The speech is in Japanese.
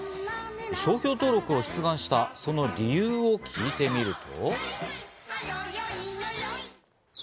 商標登録を出願したその理由を聞いてみると。